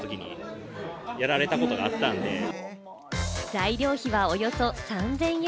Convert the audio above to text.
材料費はおよそ３０００円。